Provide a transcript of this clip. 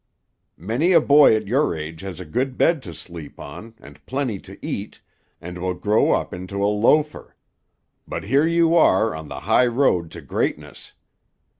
Many a boy at your age has a good bed to sleep on, and plenty to eat, and will grow up into a loafer; but here you are on the high road to greatness.